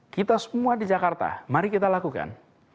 kita semua di jakarta mari kita lakukan